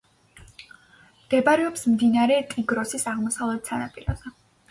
მდებარეობს მდინარე ტიგროსის აღმოსავლეთ სანაპიროზე.